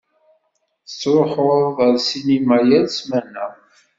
Tettṛuḥuḍ ar ssinima yal ssmana.